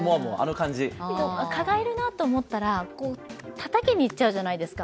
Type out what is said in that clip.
蚊がいるなと思ったらたたきにいっちゃうじゃないですか。